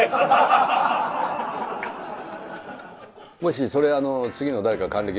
もしそれ。